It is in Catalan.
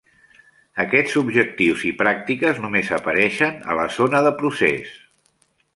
Aquests objectius i pràctiques només apareixen a la zona de procés.